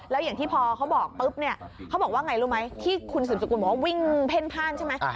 แล้วอย่างที่พอเขาบอกปุ๊บเนี่ยเขาบอกว่าไงรู้ไหมที่คุณสืบสกุลบอกว่าวิ่งเพ่นพ่านใช่ไหม